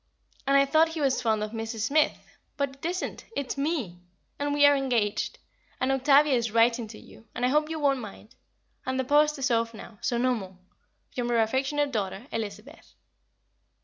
And I thought he was fond of Mrs. Smith; but it isn't, it's Me! And we are engaged. And Octavia is writing to you. And I hope you won't mind. And the post is off, so no more. From your affectionate daughter, Elizabeth.